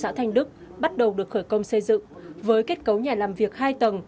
xã thanh đức bắt đầu được khởi công xây dựng với kết cấu nhà làm việc hai tầng